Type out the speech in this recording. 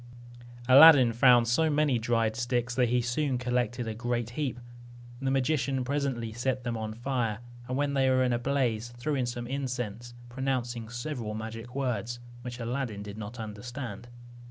Aladdin found so many dried sticks, that he soon collected a great heap. The magician presently set them on fire; and when they were in a blaze, threw in some incense, pronouncing several magical words, which Aladdin did not understand.